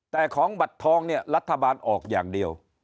แต่ของบัตรทองเนี่ยรัฐบาลออกอย่างเดียว